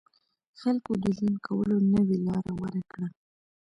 خلکو د ژوند کولو نوې لاره غوره کړه.